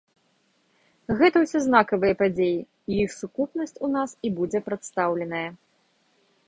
Гэта ўсё знакавыя падзеі і іх сукупнасць у нас і будзе прадстаўленая.